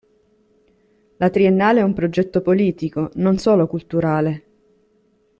La Triennale è un progetto politico, non solo culturale.